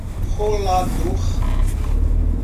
Rolador